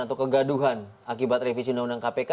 atau kegaduhan akibat revisi undang undang kpk